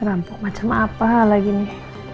rampok macam apa lagi nih